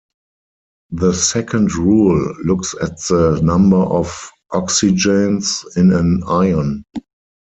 The second rule looks at the number of oxygens in an ion.